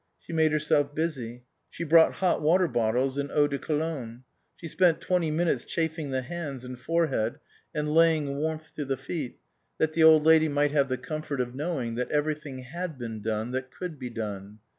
She made herself busy ; she brought hot water bottles and eau de cologne ; she spent twenty minutes chafing the hands and forehead and laying 328 CAUTLEY SENDS IN HIS BILL warmth to the feet, that the Old Lady might have the comfort of knowing that everything had been done that could be done.